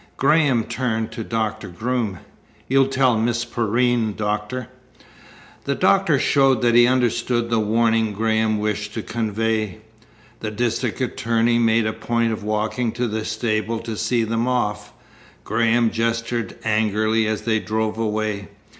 Graham turned to Doctor Groom. "You'll tell Miss Perrine, Doctor?" The doctor showed that he understood the warning Graham wished to convey. The district attorney made a point of walking to the stable to see them off. Graham gestured angrily as they drove away.